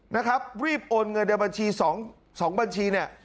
นะครับรีบโอนเงินในบัญชี๒บัญชี